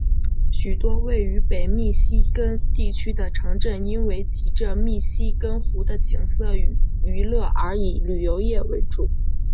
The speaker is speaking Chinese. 许多位于北密西根地区的城镇因为藉着密西根湖的景色与娱乐而以旅游业为主。